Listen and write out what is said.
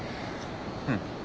うん。